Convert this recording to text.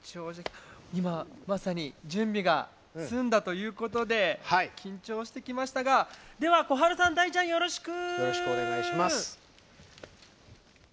今まさに準備が済んだということで緊張してきましたが小春さん、大ちゃん、よろしく！